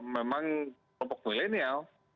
memang kelompok milenial